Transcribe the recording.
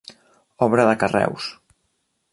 Obra de carreus.